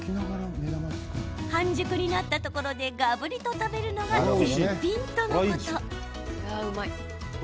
半熟になったところでがぶりと食べるのが絶品とのこと。